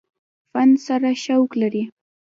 فن سره شوق لري ۔